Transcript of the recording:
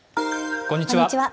こんにちは。